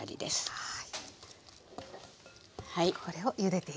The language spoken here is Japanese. はい。